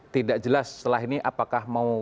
tidak jelas setelah ini apakah mau